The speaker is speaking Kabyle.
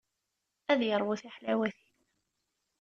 Ad yeṛwu tiḥlawatin.